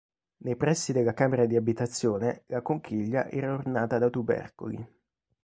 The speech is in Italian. Nei pressi della camera di abitazione la conchiglia era ornata da tubercoli.